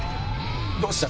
どうした？